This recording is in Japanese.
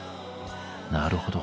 なるほど。